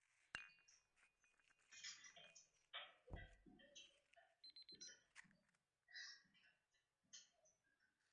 If the crops were to fail, darkness brooded over the sanctuary.